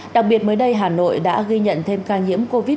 đặc biệt mới đây hà nội đã ghi nhận thêm ca nhiễm covid